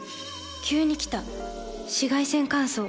急に来た紫外線乾燥。